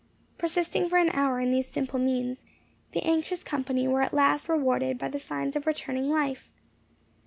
Persisting for an hour in these simple means, the anxious company were at last rewarded by the signs of returning life.